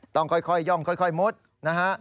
ต้องค่อยย่องค่อยมุดนะฮะ